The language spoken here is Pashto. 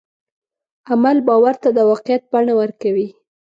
عمل باور ته د واقعیت بڼه ورکوي.